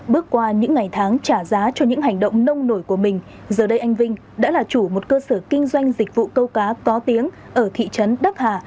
bước qua những ngày tháng trả giá cho những hành động nông nổi của mình giờ đây anh vinh đã là chủ một cơ sở kinh doanh dịch vụ câu cá có tiếng ở thị trấn đắc hà